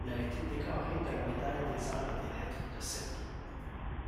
Elle a été décorée de la médaille des arts et des lettres de Serbie.